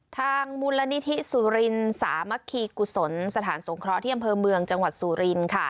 ทางมูลนิธิสุรินสามัคคีกุศลสถานสงเคราะห์ที่อำเภอเมืองจังหวัดสุริน